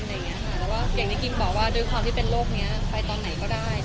แล้วก็อย่างที่กิมบอกว่าด้วยความที่เป็นโรคนี้ไปตอนไหนก็ได้